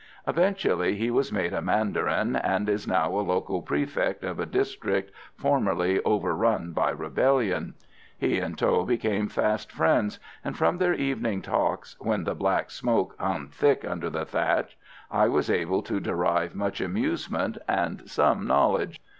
Eventually, he was made a mandarin, and is now a local prefect of a district formerly overrun by rebellion. He and Tho became fast friends, and from their evening talks, when the "black smoke" hung thick under the thatch, I was able to derive much amusement and some knowledge.